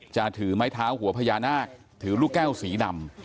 จะถือไม้เท้าหัวพญานาคถือลูกแก้วสีดำ